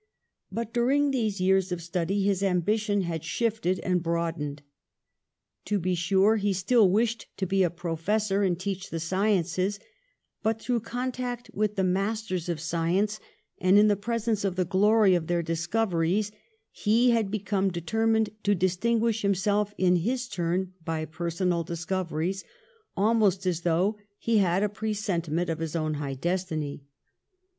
But during these years of study his ambition had shifted and broadened. To be sure, he still wished to be a professor and teach the sciences ; but through contact with the masters of sci ence, and in the presence of the glory of their discoveries, he had become determined to dis tinguish himself in his turn by personal discov eries, almost as though he had a presentiment of his own high destiny.